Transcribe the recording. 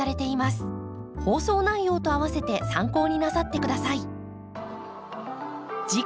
放送内容と合わせて参考になさって下さい。